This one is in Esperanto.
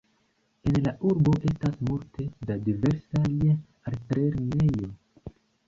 En la urbo estas multe da diversaj altlernejoj.